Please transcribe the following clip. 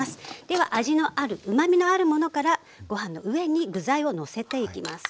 では味のあるうまみのあるものからご飯の上に具材をのせていきます。